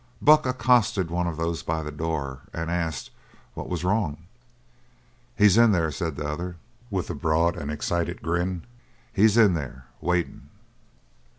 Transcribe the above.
Buck accosted one of those by the door and asked what was wrong. "He's in there," said the other, with a broad and excited grin. "He's in there waitin'!"